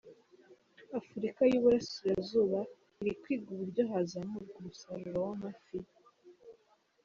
Afurika y’u Burasirazuba iri kwiga uburyo hazamurwa umusaruro w’amafi